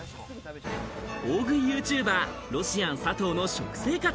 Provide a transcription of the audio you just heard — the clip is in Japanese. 大食いＹｏｕＴｕｂｅｒ・ロシアン佐藤の食生活。